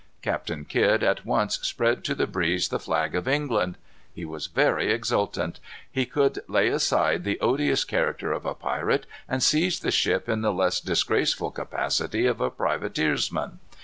Captain Kidd at once spread to the breeze the flag of England. He was very exultant. He could lay aside the odious character of a pirate, and seize the ship in the less disgraceful capacity of a privateersman.